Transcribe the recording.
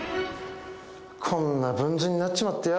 こんなぶんずになっちまってよ。